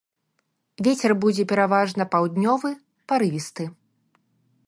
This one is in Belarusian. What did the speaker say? Вецер будзе пераважна паўднёвы парывісты.